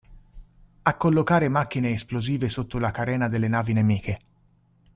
A collocare macchine esplosive sotto la carena delle navi nemiche.